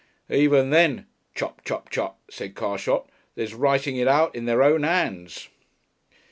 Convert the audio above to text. "Even then (chup, chup, chup)," said Carshot, "there's writing it out in their own hands."